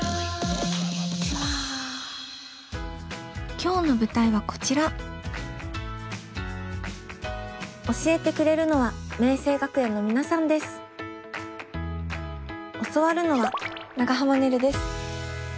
今日の舞台はこちら教えてくれるのは教わるのは長濱ねるです。